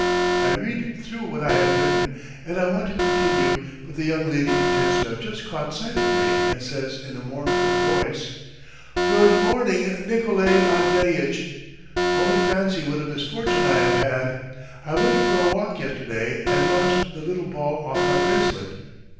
I read through what I have written and want to continue, but the young lady pretends to have just caught sight of me, and says in a mournful voice: "Good morning, Nikolay Andreitch. Only fancy what a misfortune I have had! I went for a walk yesterday and lost the little ball off my bracelet!"